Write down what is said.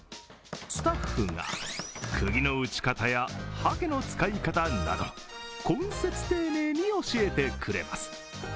スタッフがくぎの打ち方やはけの使い方など懇切丁寧に教えてくれます。